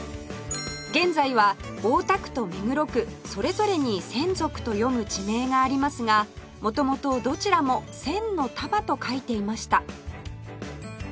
現在は大田区と目黒区それぞれに「せんぞく」と読む地名がありますが元々どちらも千の束と書いていました